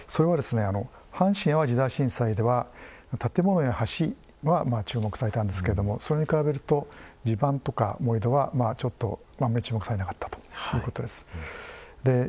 阪神・淡路大震災では建物や橋は注目されたんですけれどもそれに比べると地盤とか盛土はちょっと注目されなかったということです。